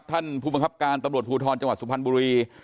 ท่านผู้บังคับการตภูทรจพสุพันธ์บุรี